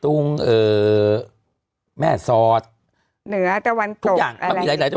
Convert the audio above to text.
ตรงแม่ซอดเหนือตะวันตกทุกอย่างมีหลายตะวัน